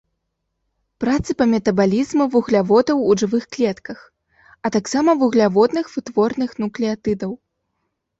Працы па метабалізму вугляводаў ў жывых клетках, а таксама вугляводных вытворных нуклеатыдаў.